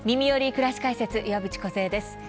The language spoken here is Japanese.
くらし解説」岩渕梢です。